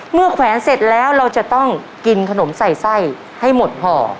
เมื่อแขวนเสร็จแล้วเราจะต้องกินขนมใส่ให้หมดห่อ